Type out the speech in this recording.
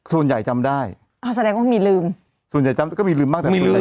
ส่วนใหญ่จำได้อ่าแสดงว่ามีลืมส่วนใหญ่จำก็มีลืมมากแต่มีลืมได้